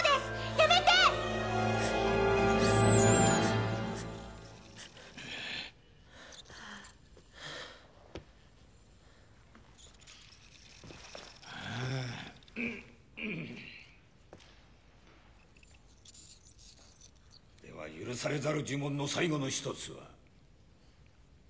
やめて！では許されざる呪文の最後の一つは？